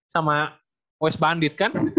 sama west bandit kan